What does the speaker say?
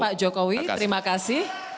pak jokowi terima kasih